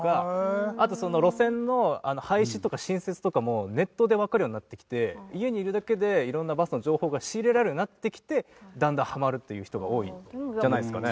あと路線の廃止とか新設とかもネットでわかるようになってきて家にいるだけで色んなバスの情報が仕入れられるようになってきてだんだんハマるという人が多いんじゃないですかね。